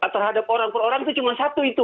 terhadap orang per orang itu cuma satu itu